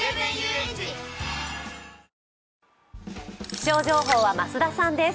気象情報は増田さんです。